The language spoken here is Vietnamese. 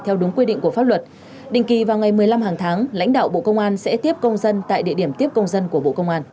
theo đúng quy định của pháp luật định kỳ vào ngày một mươi năm hàng tháng lãnh đạo bộ công an sẽ tiếp công dân tại địa điểm tiếp công dân của bộ công an